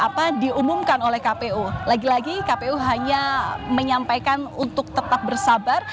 karena pertanyaannya adalah tentang kapan kemudian penetapan ini diumumkan oleh kpu lagi lagi kpu hanya menyampaikan untuk tetap bersabar